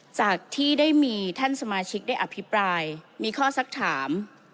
จากที่ได้มีท่านสมาชิกได้อภิปรายมีข้อสักถาม